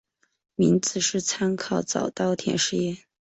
名字是参考早稻田实业。